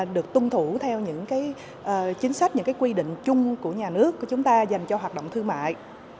được tuân thủ theo những chính sách những cái quy định chung của nhà nước của chúng ta dành cho hoạt động thương mại